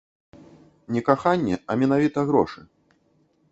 Не каханне, а менавіта грошы.